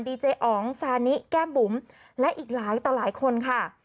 เจออ๋องซานิแก้มบุ๋มและอีกหลายต่อหลายคนค่ะ